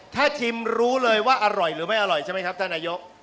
ถ้าชิมรู้เลยว่าอร่อยหรือไม่อร่อยใช่ไหมครับท่านนายก